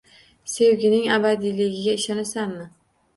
- Sevgining abadiyligiga ishonasanmi?